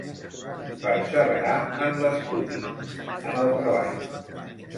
Perseverar en l'estudi, en el treball.